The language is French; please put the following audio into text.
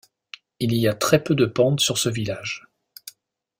Il y a très peu de pente sur ce village.